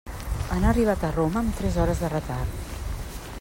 Han arribat a Roma amb tres hores de retard.